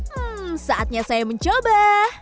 hmm saatnya saya mencoba